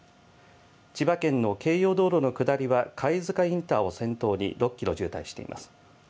千葉県の京葉道路の下りは、貝塚インターを先頭に６キロ渋滞しています。